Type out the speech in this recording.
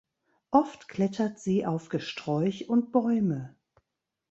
Oft klettert sie auf Gesträuch und Bäume.